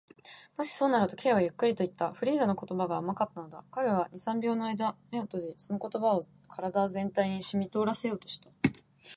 「もしそうなら」と、Ｋ はゆっくりといった。フリーダの言葉が甘かったのだ。彼は二、三秒のあいだ眼を閉じ、その言葉を身体全体にしみとおらせようとした。